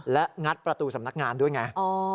และงัดประตูสำนักงานด้วยไง